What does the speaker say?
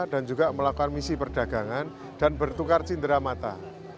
dan juga melakukan misi perdagangan dan bertukar cindera mata